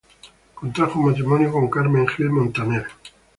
Contrajo matrimonio con Carmen Gil Montaner.